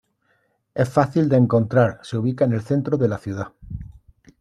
Es fácil de encontrar se ubica en el centro de la ciudad.